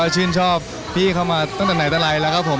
ชื่นชอบพี่เขามาตั้งแต่ไหนแต่ไรแล้วครับผม